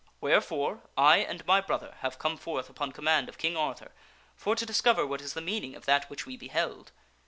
Wherefore, I and my brother have come forth upon command of King Arthur for to discover what is the meaning of that which we beheld.